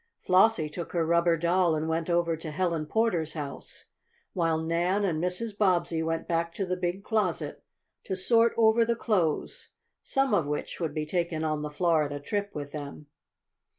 Flossie took her rubber doll and went over to Helen Porter's house, while Nan and Mrs. Bobbsey went back to the big closet to sort over the clothes, some of which would be taken on the Florida trip with them.